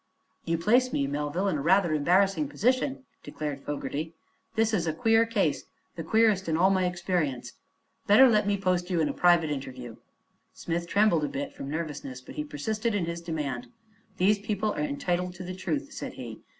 "You place me, Melville, in a rather embarrassing position," declared Fogerty. "This is a queer case the queerest in all my experience. Better let me post you in a private interview." Smith trembled a bit, from nervousness; but he persisted in his demand. "These people are entitled to the truth," said he.